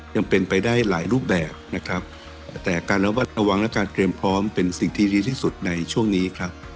ยังเป็นไปได้หลายรูปแบบนะครับแต่การระวัดระวังและการเตรียมพร้อมเป็นสิ่งที่ดีที่สุดในช่วงนี้ครับ